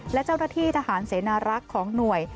และเจ้าหน้าที่ทหารเสนารักษ์ของหน่วย